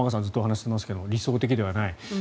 ずっとお話ししてますけど理想的ではない。